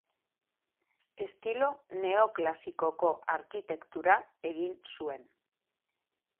Estilo neoklasikoko arkitektura egin zuen.